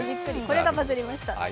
これがバズりました。